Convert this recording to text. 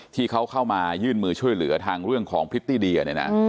ที่เขาเข้ามายื่นมือช่วยเหลือทางเรื่องของพริตตี้เดียเนี่ยนะ